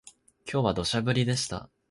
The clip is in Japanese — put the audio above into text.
今日は土砂降りでした